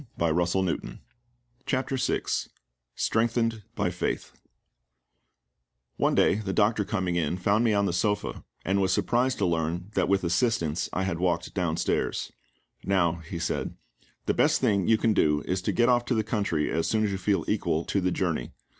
CHAPTER VI STRENGTHENED BY FAITH ONE day the doctor coming in found me on the sofa, and was surprised to learn that with assistance I had walked downstairs. "Now," he said, "the best thing you can go is to get off to the country as soon as you feel equal to the journey.